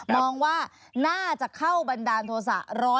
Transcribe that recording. มองว่าน่าจะเข้าบันดาลโทษะ